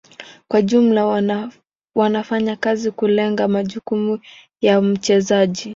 Kwa ujumla wanafanya kazi kulenga majukumu ya mchezaji.